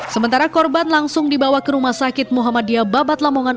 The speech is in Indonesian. sementara korban langsung dibawa ke rumah sakit muhammadiyah babat lamongan